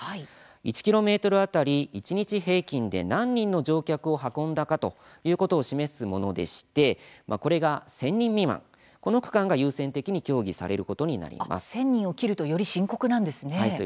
１ｋｍ当たり一日平均で何人の乗客を運んだかということを示すものでしてこれが１０００人未満の区間が優先的に協議されることに１０００人を切るとより深刻なんですね。